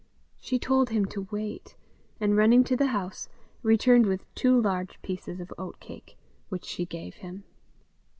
She told him to wait, and running to the house, returned with two large pieces of oatcake, which she gave him.